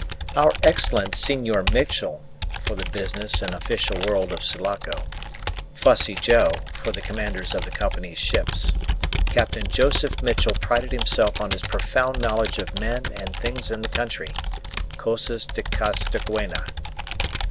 "Our excellent Senor Mitchell" for the business and official world of Sulaco; "Fussy Joe" for the commanders of the Company's ships, Captain Joseph Mitchell prided himself on his profound knowledge of men and things in the country cosas de Costaguana.